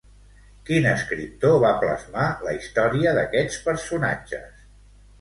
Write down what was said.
Quin escriptor va plasmar la història d'aquests personatges?